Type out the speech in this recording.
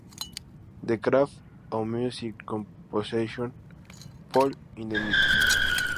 The Craft of Musical Composition, "Paul Hindemith".